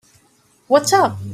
What's up?